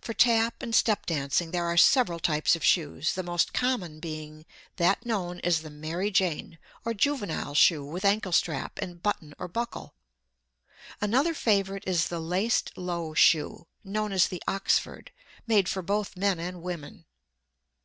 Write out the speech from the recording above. For tap and step dancing there are several types of shoes, the most common being that known as the "Mary Jane" or juvenile shoe with ankle strap and button or buckle. Another favorite is the laced low shoe, known as the oxford, made for both men and women.